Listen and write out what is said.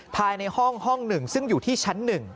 ภายในห้องห้อง๑ซึ่งอยู่ที่ชั้น๑